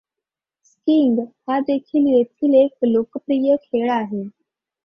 Skiing हा देखील येथील एक लोकप्रिय खेळ आहे.